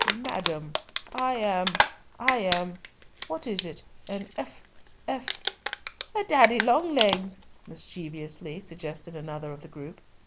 "Madam, I am—I am. What is it? An ef—ef—" "A daddy long legs," mischievously suggested another of the group.